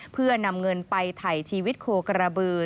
เพื่อนำเงินไปถ่ายชีวิตโคกระบือ